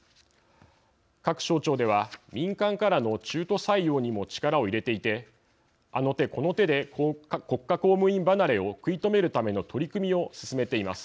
各省庁では民間からの中途採用にも力を入れていてあの手この手で国家公務員離れを食い止めるための取り組みを進めています。